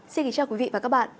xin kính chào quý vị và các bạn